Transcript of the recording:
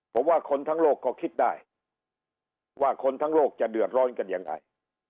ผมว่าคนทั้งโลกก็คิดได้ว่าคนทั้งโลกจะเดือดร้อนกันยังไง